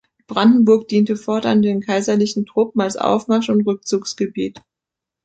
Brandenburg diente fortan den kaiserlichen Truppen als Aufmarsch- und Rückzugsgebiet.